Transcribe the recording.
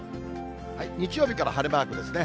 日曜日から晴れマークですね。